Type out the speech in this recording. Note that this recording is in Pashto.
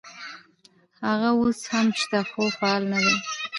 هغه اوس هم شته خو فعال نه دي.